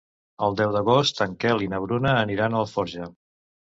El deu d'agost en Quel i na Bruna aniran a Alforja.